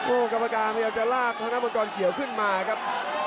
โอ้กรรมการไม่อยากจะลากเท่านั้นบรรกรเขียวขึ้นมาครับ